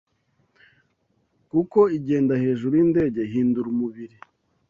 kuko igenda hejuru yindege ihindura umubiri